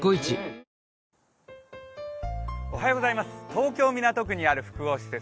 東京・港区にある複合施設